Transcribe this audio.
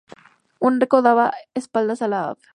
Un arco daba espaldas a la Av.